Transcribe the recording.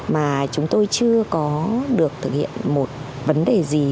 mà chúng tôi chưa có được thực hiện một vấn đề gì